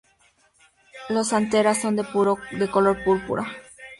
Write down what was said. Las anteras son de color púrpura.